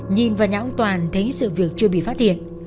nhìn vào nhà ông toàn thấy sự việc chưa bị phát hiện